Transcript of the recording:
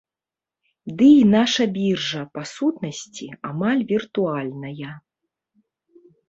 Ды і наша біржа, па сутнасці, амаль віртуальная.